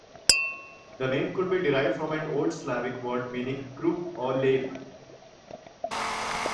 The name could be derived from an Old Slavic word meaning "crooked" or "lame".